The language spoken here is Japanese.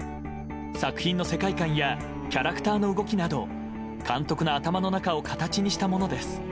作品の世界観やキャラクターの動きなど監督の頭の中を形にしたものです。